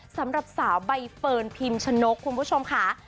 สำหรับสาวใบเฟิร์นพิมชนกคุณผู้ชมค่ะ